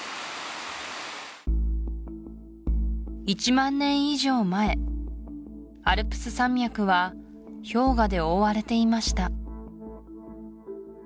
１万年以上前アルプス山脈は氷河で覆われていました